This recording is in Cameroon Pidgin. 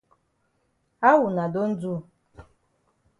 How wuna don do?